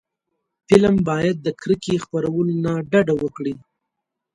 فلم باید د کرکې خپرولو نه ډډه وکړي